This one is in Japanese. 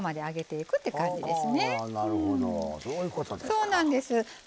そうなんです。